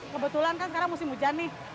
kebetulan kan sekarang musim hujan nih